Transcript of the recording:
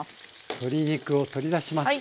鶏肉を取り出します。